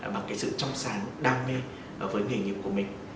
bằng cái sự trong sáng đam mê với nghề nghiệp của mình